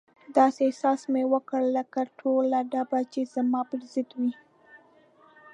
داسې احساس مې وکړ لکه ټوله ډبه چې زما پر ضد وي.